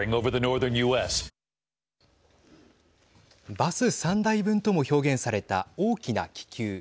バス３台分とも表現された大きな気球。